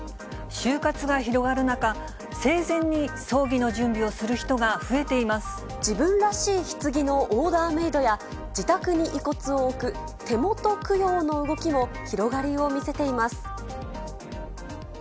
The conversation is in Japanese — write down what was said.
終活が広がる中、生前に葬儀自分らしいひつぎのオーダーメードや、自宅に遺骨を置く手元供養の動きも広がりを見せています。